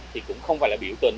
thì cũng không phải là biểu tình